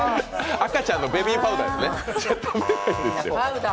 赤ちゃんのベビーパウダーですね？